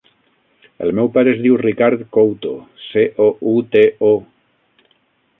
El meu pare es diu Ricard Couto: ce, o, u, te, o.